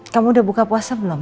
kamu udah buka puasa belum